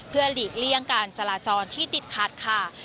เพื่อหลีกเลี่ยงการจราจรที่ติดขัดค่ะ